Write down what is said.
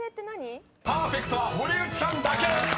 ［パーフェクトは堀内さんだけ！